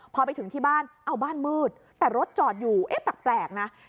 พอไปถึงที่บ้านเอาบ้านมืดแต่รถจอดอยู่เอ๊ะแปลกนะ